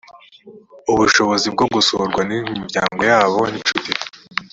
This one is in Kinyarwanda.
ubushobozi bwo gusurwa n imiryango yabo n inshuti